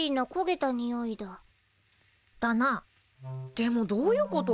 でもどういうこと？